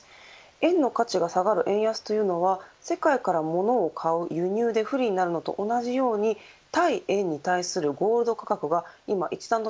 円の価値が下がる円安というのは世界からモノを買う輸入で不利になるのと同じように対円に対するゴールド価格が今一段と